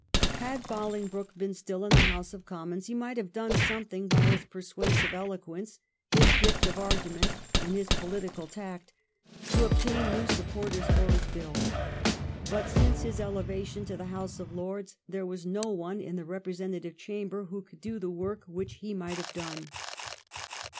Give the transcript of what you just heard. Had Bolingbroke been still in the House of Commons he might have done something by his persuasive eloquence, his gift of argument, and his political tact to obtain new supporters for his Bill, but since his elevation to the House of Lords there was no one in the representative chamber who could do the work which he might have done.